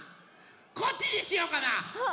こっちにしようかな？